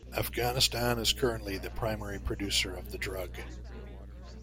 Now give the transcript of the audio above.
Afghanistan is currently the primary producer of the drug.